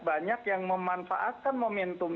banyak yang memanfaatkan momentum